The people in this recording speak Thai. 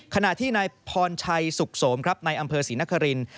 ขณะที่นายพรชัยสุขโสมครับในอำเภอศรีนคริน